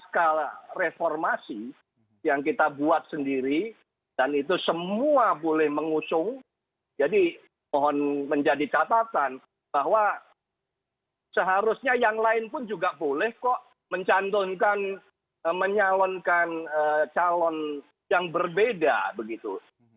kita akan bertanggung jawab atas kader kadernya yang dicalonkan dalam pilkada begitu